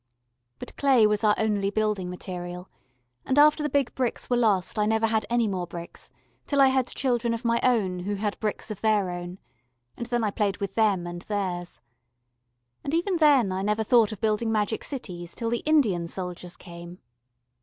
But clay was our only building material, and after the big bricks were lost I never had any more bricks till I had children of my own who had bricks of their own. And then I played with them and theirs. And even then I never thought of building magic cities till the Indian soldiers came.